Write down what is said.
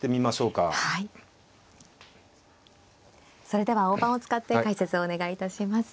それでは大盤を使って解説をお願いいたします。